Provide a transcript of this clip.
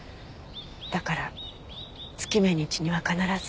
だから月命日には必ず。